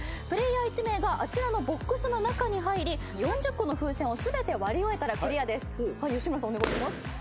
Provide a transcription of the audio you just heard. プレーヤー１名があちらのボックスの中に入り４０個の風船を全て割り終えたらクリアです。